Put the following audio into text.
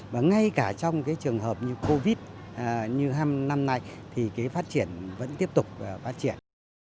và ngay cả trong trường hợp như covid như năm nay thì phát triển vẫn tiếp tục phát triển